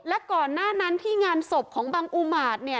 และก่อนหน้านั้นที่งานศพของบังอุมาตเนี่ย